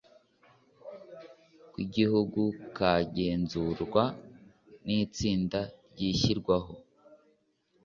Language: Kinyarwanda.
rw igihugu kagenzurwa n itsinda rishyirwaho